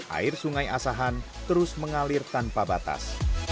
air sungai asahan terus mengalir tanpa batas